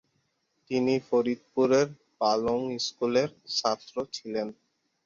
তিনি ফরিদপুরের পালং স্কুলের ছাত্র ছিলেন।